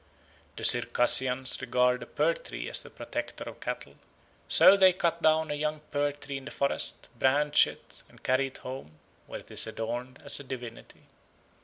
The Circassians regard the pear tree as the protector of cattle. So they cut down a young pear tree in the forest, branch it, and carry it home, where it is adored as a divinity.